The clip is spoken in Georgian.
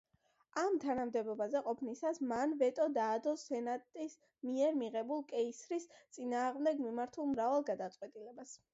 ამ თანამდებობაზე ყოფნისას მან ვეტო დაადო სენატის მიერ მიღებულ კეისრის წინააღმდეგ მიმართულ მრავალ გადაწყვეტილებას.